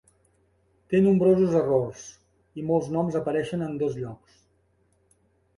Té nombrosos errors i molts noms apareixen en dos llocs.